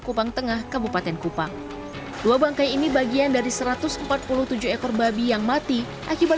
kupang tengah kabupaten kupang dua bangkai ini bagian dari satu ratus empat puluh tujuh ekor babi yang mati akibat